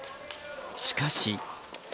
しかし。